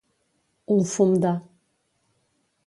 Un fum de.